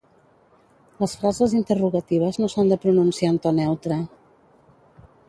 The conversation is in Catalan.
Les frases interrogatives no s'han de pronunciar en to neutre.